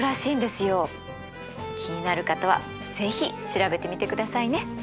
気になる方は是非調べてみてくださいね。